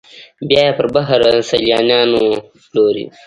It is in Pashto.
بیا یې پر بهر سیلانیانو پلوري.